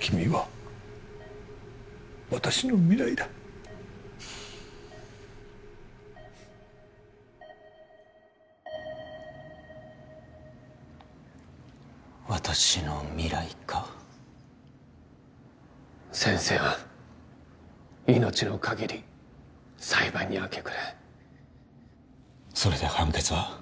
君は私の未来だ私の未来か先生は命の限り裁判に明け暮れそれで判決は？